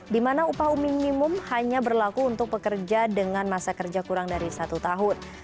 di mana upah minimum hanya berlaku untuk pekerja dengan masa kerja kurang dari satu tahun